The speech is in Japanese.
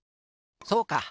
そうか！